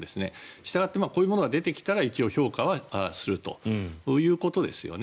したがってこういうものが出てきたら一応、評価はするということですよね。